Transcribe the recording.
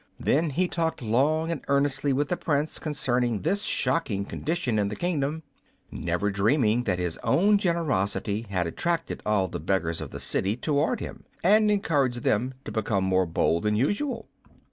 Then he talked long and earnestly with the Prince concerning this shocking condition in the kingdom, never dreaming that his own generosity had attracted all the beggars of the city toward him and encouraged them to become more bold than usual.